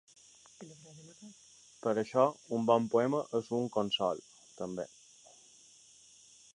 Per això un bon poema és un consol, també.